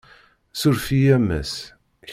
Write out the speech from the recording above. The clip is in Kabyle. Ssuref-iyi a Mass.